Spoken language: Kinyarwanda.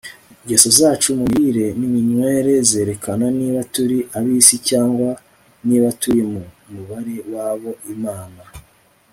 ingeso zacu mu mirire n'iminywere zerekana niba turi ab'isi cyangwa niba turi mu mubare w'abo imana